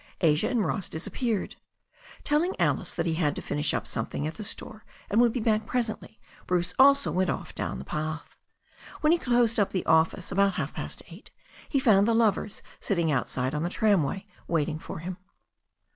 Asia and Ross disappeared. Telling Alice that he had to finish up something at the store and would be back presently, Bruce also went off down the path. When he closed up the office, about half past eight, he found the lovers sitting outside on the tramway, waiting for him.